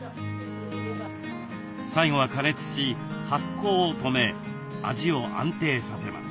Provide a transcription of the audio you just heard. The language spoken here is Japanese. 最後は過熱し発酵を止め味を安定させます。